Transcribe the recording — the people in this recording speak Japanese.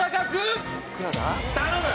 頼む！